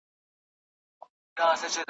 کابله بیا دي اجل راغلی ,